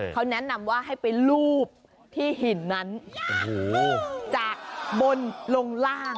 เขาแนะนำว่าให้ไปรูปที่หินนั้นจากบนลงล่าง